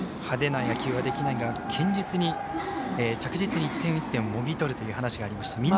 派手な野球はできないが堅実に着実に１点１点もぎ取るという話がありました。